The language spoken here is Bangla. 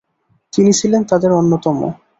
তিনি ছিলেন তাদের অন্যতম।